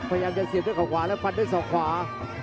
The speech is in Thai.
พยายามจะเสียบด้วยเขาขวาแล้วฟันด้วยศอกขวา